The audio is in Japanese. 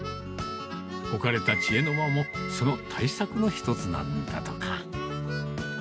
置かれた知恵の輪も、その対策の一つなんだとか。